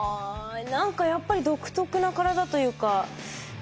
何かやっぱり独特な体というか。